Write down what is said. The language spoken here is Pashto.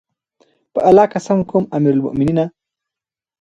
په الله قسم کوم امير المؤمنینه!